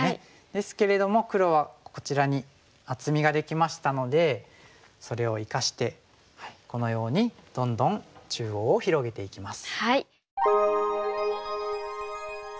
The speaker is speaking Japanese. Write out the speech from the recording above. ですけれども黒はこちらに厚みができましたのでそれを生かしてこのようにどんどん中央を広げていきます。